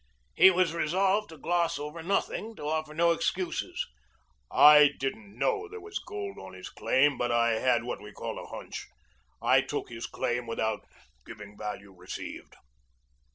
He was resolved to gloss over nothing, to offer no excuses. "I didn't know there was gold on his claim, but I had what we call a hunch. I took his claim without giving value received."